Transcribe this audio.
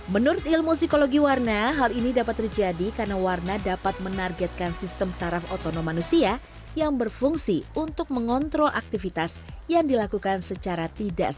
menurut ilmu psikologi warna hal ini dapat terjadi karena warna dapat menargetkan sistem saraf otonom manusia yang berfungsi untuk mengontrol aktivitas yang dilakukan secara tidak sengaja